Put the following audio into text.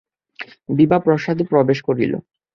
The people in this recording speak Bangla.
বিভা প্রাসাদে প্রবেশ করিল।